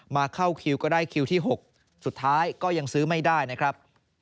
เข้าคิวก็ได้คิวที่๖สุดท้ายก็ยังซื้อไม่ได้นะครับ